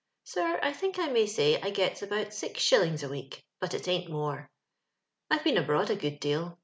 Sir, I think I may say I gets about six shillings a week, but it ain't more. '* I've been abroad a good deal.